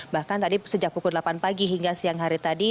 bahkan tadi sejak pukul delapan pagi hingga siang hari tadi